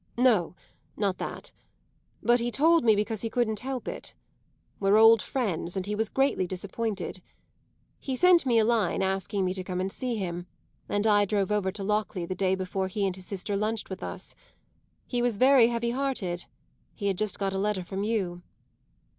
"No, not that. But he told me because he couldn't help it. We're old friends, and he was greatly disappointed. He sent me a line asking me to come and see him, and I drove over to Lockleigh the day before he and his sister lunched with us. He was very heavy hearted; he had just got a letter from you."